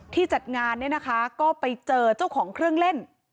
ที่จัดงานก็ไปเจอเจ้าของเครื่องเล่น